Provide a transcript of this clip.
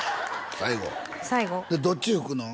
最後どっち吹くの？